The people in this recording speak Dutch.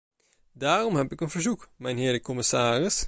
Daarom heb ik een verzoek, mijnheer de commissaris.